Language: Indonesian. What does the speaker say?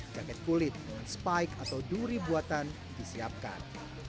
jaket kulit dengan spike atau duri buatan disiapkan